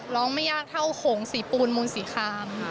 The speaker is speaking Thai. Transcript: ร้องไม่ยากเท่าขงสีปูนมูนสีคลาม